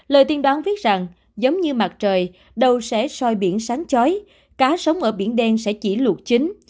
lời tiên đoán viết rằng giống như mặt trời đầu sẽ soi biển sáng chói cá sống ở biển đen sẽ chỉ luột chính